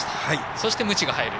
そして、むちが入る。